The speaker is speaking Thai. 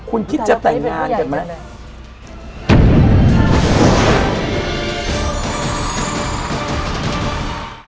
คุณคิดจะแต่งงานกันไหม